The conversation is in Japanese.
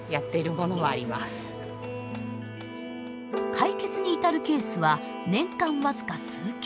解決に至るケースは年間僅か数件。